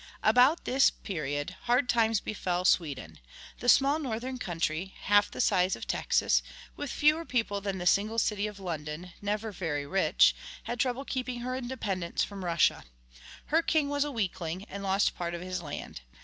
At about this period hard times befell Sweden. The small Northern country, half the size of Texas, with fewer people than the single city of London, never very rich, had trouble keeping her independence from Russia. Her king was a weakling, and lost part of his land.